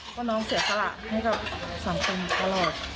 เพราะน้องเสียสละให้กับสังคมตลอด